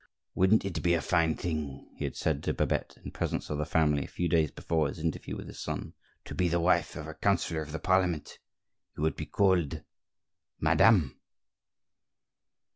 "Wouldn't it be a fine thing," he had said to Babette, in presence of the family a few days before his interview with his son, "to be the wife of a counsellor of the Parliament? You would be called madame!"